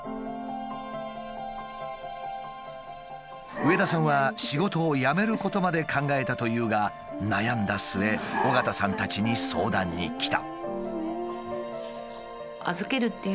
上田さんは仕事を辞めることまで考えたというが悩んだ末緒方さんたちに相談に来た。